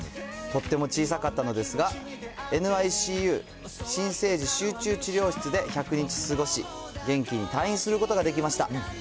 とっても小さかったのですが、ＮＩＣＵ・新生児集中治療室で１００日過ごし、元気に退院することができました。